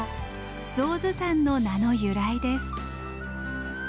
象頭山の名の由来です。